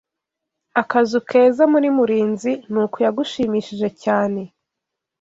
Akazu keza muri murinzi Nuku yagushimishije cyane